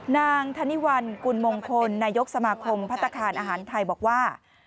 นางธนิวัลกุลมงคลนายกสมาคมพัฒนาคารอาหารไทยบอกว่า